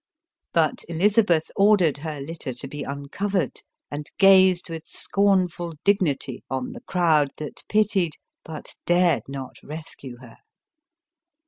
But Elizabeth ordered her litter to be uncovered, and gazed with scornful dignity on the crowd that pitied, but dared not rescue her.